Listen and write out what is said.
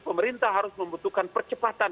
pemerintah harus membutuhkan percepatan